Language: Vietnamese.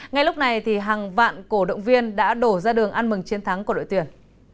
ngay lúc này hàng vạn cổ động viên đã đổ ra đường ăn mừng chiến thắng của đội tuyển